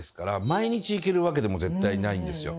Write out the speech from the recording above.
毎日行けるわけでも絶対にないんですよ。